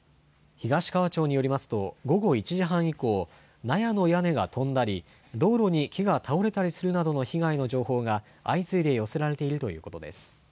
東川町によりますと午後１時半以降、納屋の屋根が飛んだり、道路に木が倒れたりするなどの被害の情報が相次いで寄せられているということです。